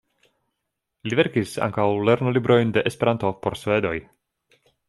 Li verkis ankaŭ lernolibrojn de Esperanto por svedoj.